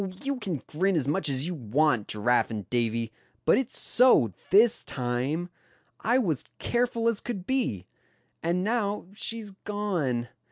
you can grin as much as you want, Giraffe and Davy, but it's so, this time. I was careful as could be. And now, she's gone.